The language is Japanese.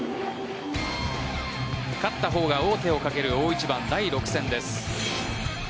勝った方が王手をかける大一番第６戦です。